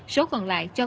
số còn lại trong